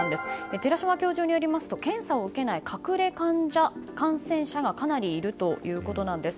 寺嶋教授によりますと検査を受けない隠れ感染者がかなりいるということです。